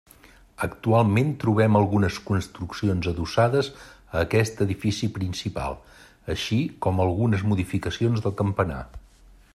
Actualment trobem algunes construccions adossades a aquest edifici principal, així com algunes modificacions del campanar.